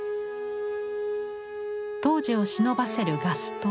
当時をしのばせるガス灯。